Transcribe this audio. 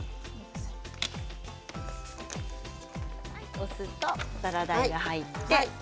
お酢とサラダ油が入って。